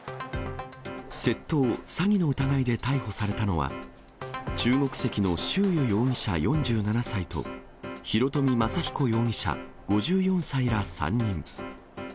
窃盗・詐欺の疑いで逮捕されたのは、中国籍の周瑜容疑者４７歳と、広冨雅彦容疑者５４歳ら３人。